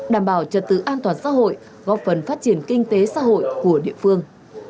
đảm bảo trật tự an toàn xã hội góp phần phát triển kinh tế xã hội của địa phương